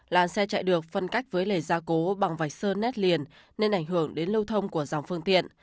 làn xe chạy được phân cách với lề gia cố bằng vạch sơn nét liền nên ảnh hưởng đến lưu thông của dòng phương tiện